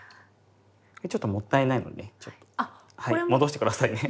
ちょっともったいないのでちょっと戻して下さいね。